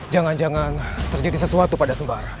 jangan jangan terjadi sesuatu pada sembarang